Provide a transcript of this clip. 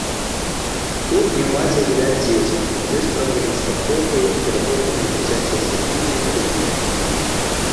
Тут няма дзе гуляць дзецям, ёсць праблемы з паркоўкай, перапоўненыя дзіцячыя садкі і паліклінікі.